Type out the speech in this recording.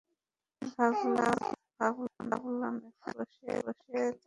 তাই ভাবলাম এখানে এসে কথা বলতে পারবো।